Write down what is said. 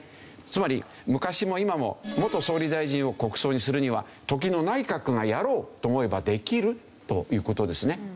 つまり昔も今も元総理大臣を国葬にするには時の内閣がやろうと思えばできるという事ですね。